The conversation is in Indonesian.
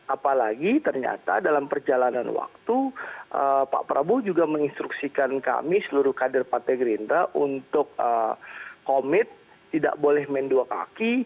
apalagi ternyata dalam perjalanan waktu pak prabowo juga menginstruksikan kami seluruh kader partai gerindra untuk komit tidak boleh main dua kaki